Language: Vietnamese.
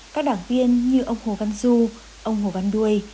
các đảng viên như ông hồ văn du ông hồ văn đuôi